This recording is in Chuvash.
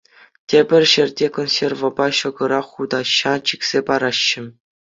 Тепӗр ҫӗрте консервӑпа ҫӑкӑра хутаҫа чиксе параҫҫӗ.